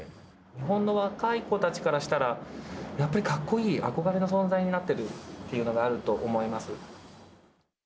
日本の若い子たちからしたら、やっぱりかっこいい、憧れの存在になってるっていうのがあると思います。